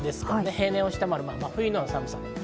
平年を下回る真冬の寒さでした。